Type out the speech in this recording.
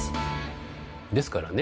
ですからね